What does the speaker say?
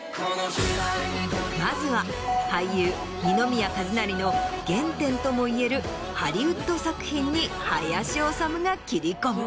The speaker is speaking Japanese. まずは俳優・二宮和也の原点ともいえるハリウッド作品に林修が切り込む。